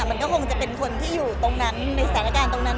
มันก็คงจะเป็นคนที่อยู่ตรงนั้นในสถานการณ์ตรงนั้น